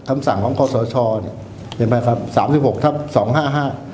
คำสั่งของคอสชเนี่ยเห็นไหมครับสามสิบหกทับสองห้าห้า